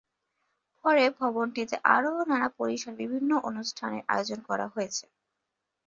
পরে ভবনটিতে আরো নানা পরিসরে বিভিন্ন অনুষ্ঠানের আয়োজন করা হয়েছে।